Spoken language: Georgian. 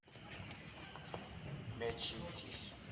მეჩეთის კარიბჭე მორთულია მწვანე და მომწვანო-მოცისფრო მინანქრით.